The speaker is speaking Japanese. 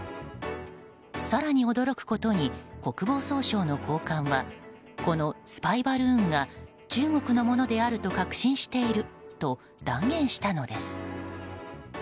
更に驚くことに国防総省の高官はこのスパイバルーンが中国のものであると確信していると断言したのです。